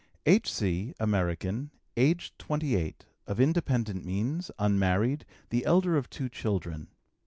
H.C., American, aged 28, of independent means, unmarried, the elder of two children.